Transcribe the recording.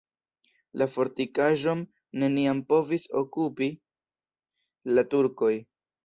La fortikaĵon neniam povis okupi la turkoj.